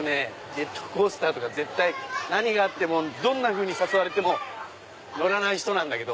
ジェットコースターとか何があってもどう誘われても乗らない人なんだけど。